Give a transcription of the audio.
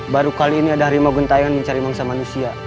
baru kali ini ada harimau gentayang mencari mangsa manusia